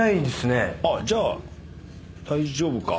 じゃあ大丈夫か。